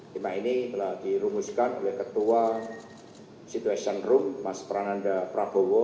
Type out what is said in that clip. lima ini telah dirumuskan oleh ketua situation room mas prananda prabowo